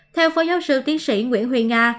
theo phó giáo sư tiến sĩ nguyễn huy nga